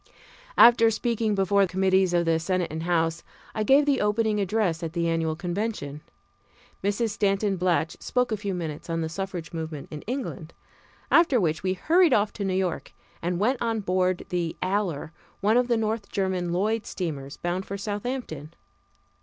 After speaking before committees of the Senate and House, I gave the opening address at the annual convention. Mrs. Stanton Blatch spoke a few minutes on the suffrage movement in England, after which we hurried off to New York, and went on board the Aller, one of the North German Lloyd steamers, bound for Southampton.